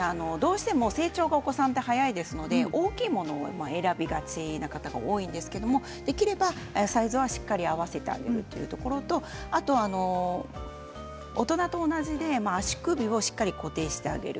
お子さんは成長が早いですので大きいものを選びがちな方が多いんですができれば、サイズはしっかり合わせてあげるということとあと大人と同じで足首をしっかりと固定してあげる。